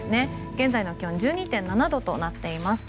現在の気温１２．７度となっています。